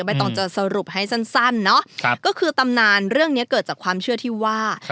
ต้องจะสรุปให้สั้นเนาะก็คือตำนานเรื่องนี้เกิดจากความเชื่อที่ว่า